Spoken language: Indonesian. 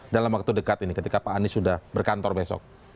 dalam waktu dekat ini ketika pak anies sudah berkantor besok